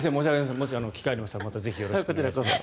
もし機会がありましたらまたぜひお願いします。